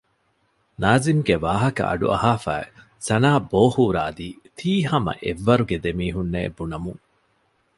ނާޒިމްގެ ވާހަކަ އަޑުއަހާފައި ސަނާ ބޯހޫރާލީ ތީ ހަމަ އެއްވަރުގެ ދެމީހުންނޭ ބުނަމުން